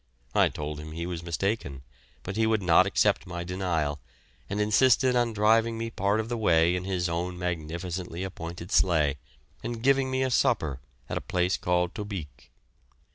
I told him he was mistaken, but he would not accept my denial, and insisted on driving me part of the way in his own magnificently appointed sleigh, and giving me a supper at a place called Tobique.